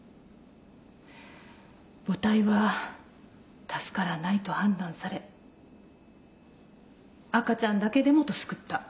母体は助からないと判断され赤ちゃんだけでもと救った。